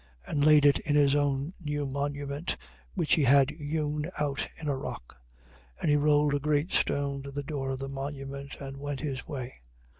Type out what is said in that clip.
And laid it in his own new monument, which he had hewed out in a rock. And he rolled a great stone to the door of the monument and went his way.